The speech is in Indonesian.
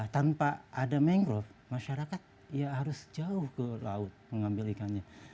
tanpa ada mangrove masyarakat ya harus jauh ke laut mengambil ikannya